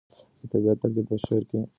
د طبیعت تقلید په شعر کې څنګه څرګندېږي؟